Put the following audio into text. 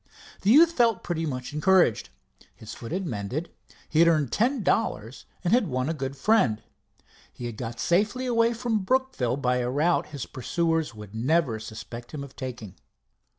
The youth felt pretty much encouraged. His foot had mended, he had earned ten dollars, and had won a good friend. He had got safely away from Brookville by a route his pursuers would never suspect him of taking.